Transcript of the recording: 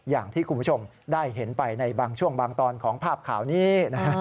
อย่างที่คุณผู้ชมได้เห็นไปในบางช่วงบางตอนของภาพข่าวนี้นะฮะ